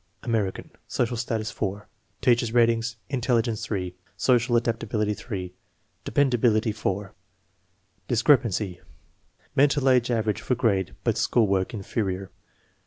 American, social status 4. Teacher's ratings: intelligence 3, social adaptability 3, de pendability 4. Discrepancy: Mental age average for grade but school work "inferior."